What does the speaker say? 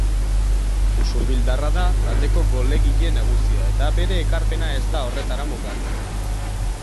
Usurbildarra da taldeko golegile nagusia eta bere ekarpena ez da horretara mugatzen.